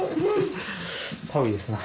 寒いですな。